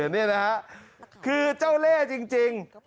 แม่งคือเจ้าแร่จริง